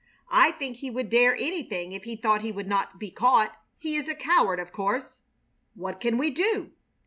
"I think he would dare anything if he thought he would not be caught. He is a coward, of course." "What can we do?"